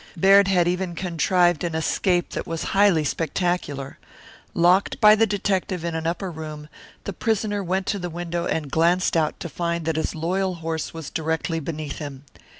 Baird had even contrived an escape that was highly spectacular. Locked by the detective in an upper room, the prisoner went to the window and glanced out to find that his loyal horse was directly beneath him.